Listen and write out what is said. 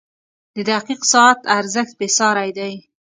• د دقیق ساعت ارزښت بېساری دی.